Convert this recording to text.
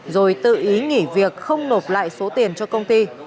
rồi tự ý nghỉ việc không nộp lại số tiền cho công ty